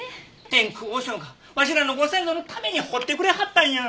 天空和尚がわしらのご先祖のために彫ってくれはったんや。